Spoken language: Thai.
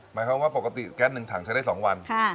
หมายความว่าปกติแก๊ส๑ถังใช้ได้๒วัน